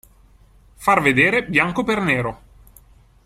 Far vedere bianco per nero.